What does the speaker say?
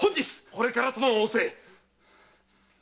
これからとの仰せ！